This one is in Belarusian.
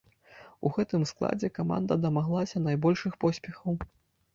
У гэтым складзе каманда дамаглася найбольшых поспехаў.